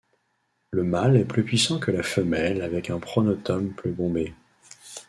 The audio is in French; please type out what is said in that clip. Le mâle est plus puissant que la femelle avec un pronotum plus bombé.